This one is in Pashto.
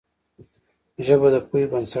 ژبه د پوهې بنسټ ده